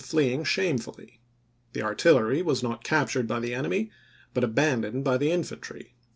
fleeing shamefully. The artillery was not captured by the enemy, but abandoned by the infantry."